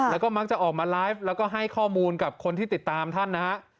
แล้วก็มักจะออกมาไลฟ์แล้วก็ให้ข้อมูลกับคนที่ติดตามท่านนะฮะ